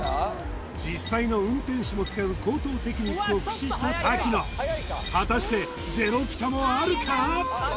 実際の運転士も使う高等テクニックを駆使した瀧野果たしてゼロピタもあるか？